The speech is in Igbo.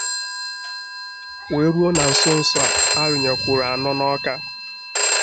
wee ruo na nso nso a rụnyèkwùrù anọ n'Awka